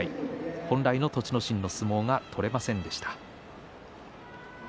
本来の栃ノ心の相撲が取れませんでした。